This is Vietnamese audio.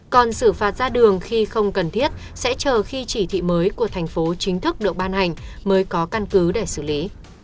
còn xử phạt ra đường khi không cần thiết sẽ chờ khi chỉ thị mới của thành phố chính thức được ban hành mới có căn cứ để xử lý